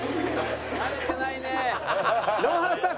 「慣れてないね」